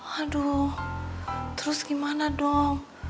aduh terus gimana dong